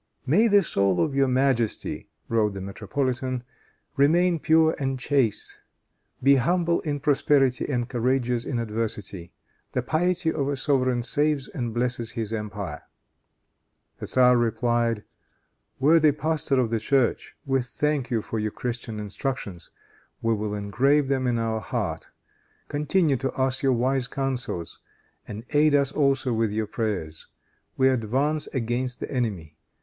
"May the soul of your majesty," wrote the metropolitan, "remain pure and chaste. Be humble in prosperity and courageous in adversity. The piety of a sovereign saves and blesses his empire." The tzar replied, "Worthy pastor of the church, we thank you for your Christian instructions. We will engrave them on our heart. Continue to us your wise counsels, and aid us also with your prayers. We advance against the enemy.